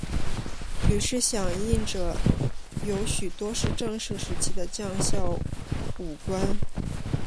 举事响应者有许多是郑氏时期将校武官。